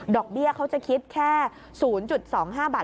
เบี้ยเขาจะคิดแค่๐๒๕บาท